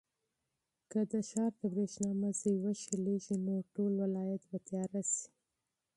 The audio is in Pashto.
که د ښار د برېښنا مزي وشلېږي نو ټوله سوبه به تیاره شي.